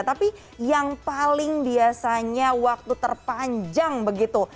tapi yang paling biasanya waktu terpanjang begitu